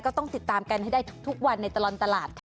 ต้องติดตามกันให้ได้ทุกวันในตลอดตลาดค่ะ